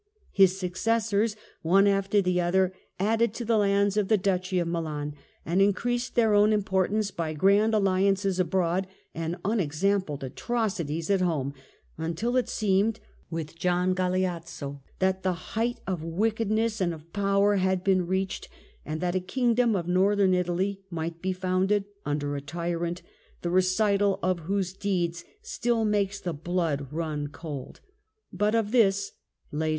His successors one after the other added to the lands of the Duchy of Milan and increased their own import ance by grand alliances abroad and unexampled atrocities at home, until it seemed with Gian Galeazzo that the height of wickedness and of power had been reached, and that a kingdom of Northern Italy might be founded under a tyrant, the recital of whose deeds still makes the blood run cold. But of this later.